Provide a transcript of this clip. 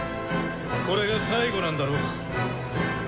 これが最後なんだろ？